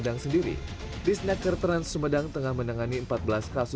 tapi kita langsung bergerak